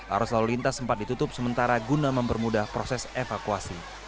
arus lalu lintas sempat ditutup sementara guna mempermudah proses evakuasi